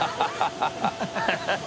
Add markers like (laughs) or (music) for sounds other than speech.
ハハハ (laughs)